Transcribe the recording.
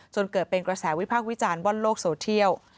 จนเกิดเป็นกระแสวิพากษ์วิจารณ์ว่อนโลกโซเทียล